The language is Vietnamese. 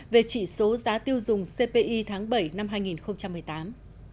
về chỉ số giá tiêu dùng cpi tháng bảy năm hai nghìn một mươi tám